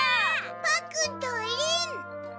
パックンとリン！